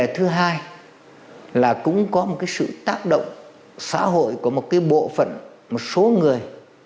thứ hai là cũng có một cái sự tác động xã hội của một bộ phận một số người